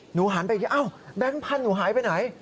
หนูหันไปอ้าวแบงค์พันธุ์หนูหายไปไหน